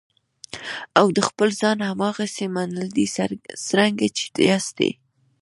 او د خپل ځان هماغسې منل دي څرنګه چې یاستئ.